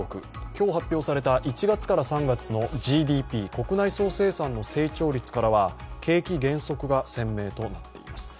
今日発表された１月から３月のＧＤＰ＝国内総生産の成長率からは景気減速が鮮明となっています。